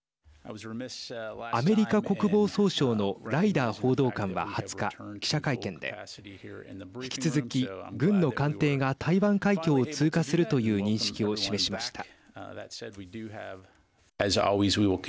アメリカ国防総省のライダー報道官は２０日記者会見で引き続き、軍の艦艇が台湾海峡を通過するという認識を示しました。